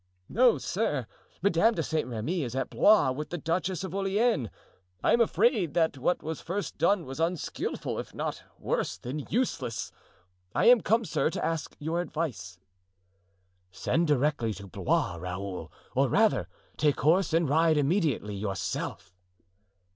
"No, sir, Madame de Saint Remy is at Blois with the Duchess of Orleans. I am afraid that what was first done was unskillful, if not worse than useless. I am come, sir, to ask your advice." "Send directly to Blois, Raoul; or, rather, take horse and ride immediately yourself."